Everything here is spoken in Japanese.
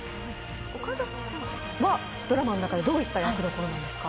岡崎さんはドラマの中でどういった役どころなんですか？